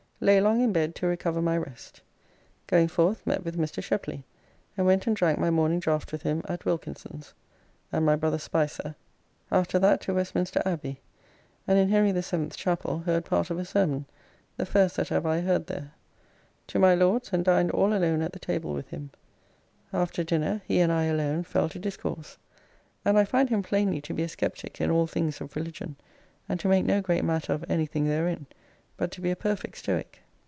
Lay long in bed to recover my rest. Going forth met with Mr. Sheply, and went and drank my morning draft with him at Wilkinson's, and my brother Spicer. [Jack Spicer, brother clerk of the Privy Seal.] After that to Westminster Abbey, and in Henry the Seventh's Chappell heard part of a sermon, the first that ever I heard there. To my Lord's and dined all alone at the table with him. After dinner he and I alone fell to discourse, and I find him plainly to be a sceptic in all things of religion, and to make no great matter of anything therein, but to be a perfect Stoic.